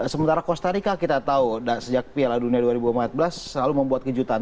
sementara costa rica kita tahu sejak piala dunia dua ribu empat belas selalu membuat kejutan